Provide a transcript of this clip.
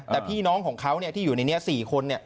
แต่พี่น้องของเขาเนี่ยที่อยู่ในนี้๔คนเนี่ย